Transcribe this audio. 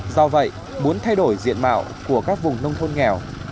do vậy muốn thay đổi diện mạo của các vùng nông thôn nghèo